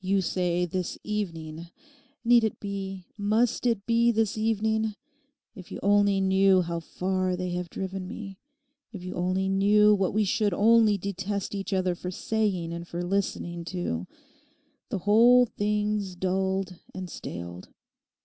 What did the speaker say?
You say "this evening"; need it be, must it be this evening? If you only knew how far they have driven me. If you only knew what we should only detest each other for saying and for listening to. The whole thing's dulled and staled.